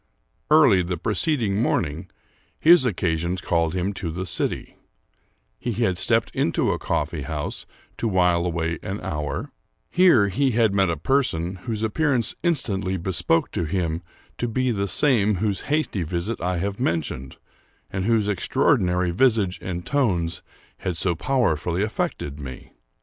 Early the preceding morning, his occasions called him to the city : he had stepped into a coffee house to while away an hour; here he had met a person whose appearance in stantly bespoke him to be the same whose hasty visit I have mentioned, and whose extraordinary visage and tones had so powerfully affected me.